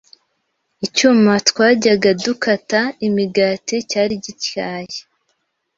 Icyuma twajyaga dukata imigati cyari gityaye.